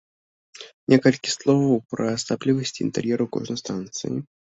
Некалькі словаў пра асаблівасці інтэр'еру кожнай станцыі.